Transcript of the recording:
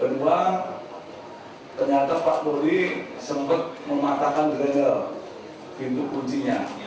kedua ternyata pak dodi sempat mematahkan drainel pintu kuncinya